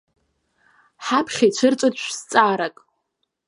Ҳаԥхьа ицәырҵуеит шә-зҵаарак.